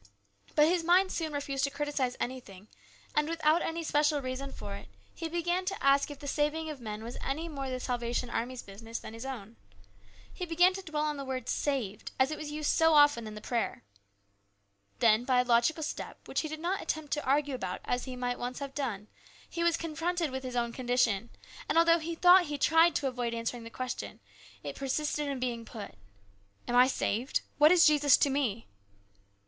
But his mind soon refused to criticise anything, and, without any special reason for it, he began to ask if the saving of men was any more the Salvation Army's business than his own. He began to dwell on the word " saved " as it was used so often in the prayer. Then, by a logical step, which he did not attempt to argue about as he might once have done, he was confronted with his own condition, and although he thought he tried to avoid answering the question, it persisted in being put :" Am I saved ? What is Jesus to me